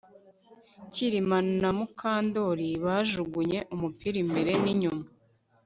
Kirima na Mukandoli bajugunye umupira imbere ninyuma